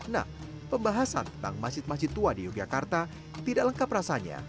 nah pembahasan tentang masjid masjid tua di yogyakarta tidak lengkap rasanya